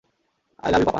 I love you papa.